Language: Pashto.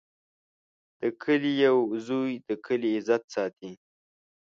د کلي یو زوی د کلي عزت ساتي.